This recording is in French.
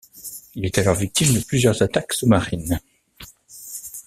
Il est alors victime de plusieurs attaques sous-marines.